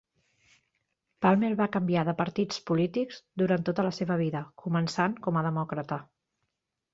Palmer va canviar de partits polítics durant tota la seva vida, començant com a demòcrata.